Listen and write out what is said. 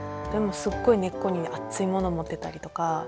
でもすっごい根っこに熱いものを持ってたりとか。